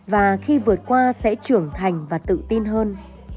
và khi vượt qua sẽ trưởng thành và tự tin hơn